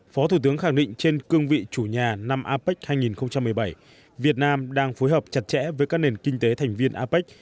phó thủ tướng khẳng định trên cương vị chủ nhà năm apec hai nghìn một mươi bảy việt nam đang phối hợp chặt chẽ với các nền kinh tế thành viên apec